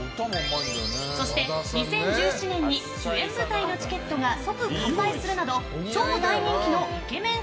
そして２０１７年に主演舞台のチケットが即完売するなど超大人気のイケメン